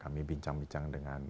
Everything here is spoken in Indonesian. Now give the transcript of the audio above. kami bincang bincang dengan